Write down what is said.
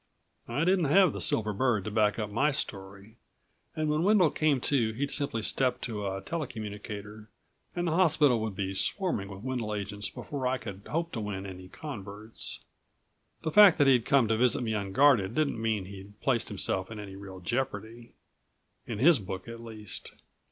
I didn't have the silver bird to back up my story, and when Wendel came to he'd simply step to a tele communicator and the hospital would be swarming with Wendel agents before I could hope to win any converts. The fact that he'd come to visit me unguarded didn't mean he'd placed himself in any real jeopardy ... in his book at least.